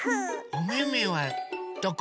おめめはどこ？